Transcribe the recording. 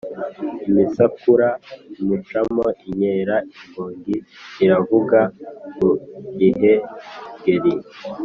Imisakura imucamo inkera, inkongi iravuga mu Gihengeri